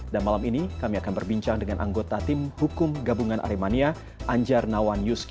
dan malam ini kami akan berbincang dengan anggota tim hukum gabungan arimania anjar nawanyuski